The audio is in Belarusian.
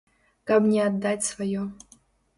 Каб не аддаць сваё.